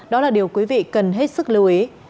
đó là điều quý vị cần hết sức lưu ý